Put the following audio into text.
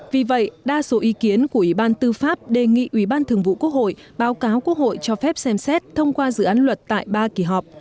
vì vậy đa số ý kiến của ủy ban tư pháp đề nghị ủy ban thường vụ quốc hội báo cáo quốc hội cho phép xem xét thông qua dự án luật tại ba kỳ họp